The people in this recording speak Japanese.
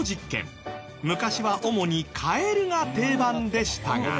昔は主にカエルが定番でしたが。